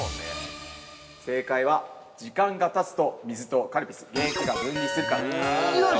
◆正解は、時間がたつと水とカルピスの原液が分離するからです。